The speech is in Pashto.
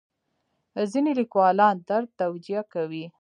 ځینې لیکوالان درد توجیه کوي.